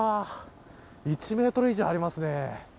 １メートル以上ありますね。